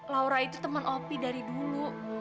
laura itu teman opi dari dulu